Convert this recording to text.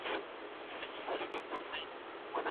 خپل مهارتونه پیاوړي کړئ.